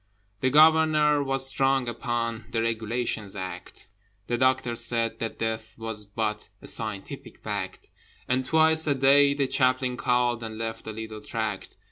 The Governor was strong upon The Regulations Act: The Doctor said that Death was but A scientific fact: And twice a day the Chaplain called And left a little tract.